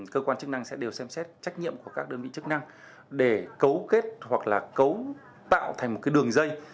cơ quan chức năng sẽ đều xem xét trách nhiệm của các đơn vị chức năng để cấu kết hoặc là tạo thành một đường dây